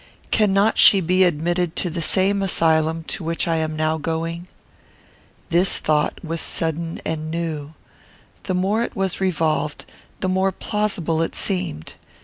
Cannot she be admitted to the same asylum to which I am now going?" This thought was sudden and new. The more it was revolved, the more plausible it seemed.